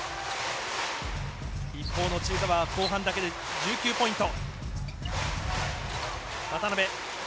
一方の千葉は後半だけで１９ポイント。